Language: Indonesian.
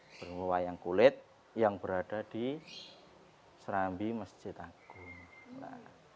ibu ibu saya yang kulit yang berada di serambi masjid agung